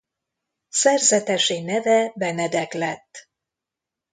Szerzetesi neve Benedek lett.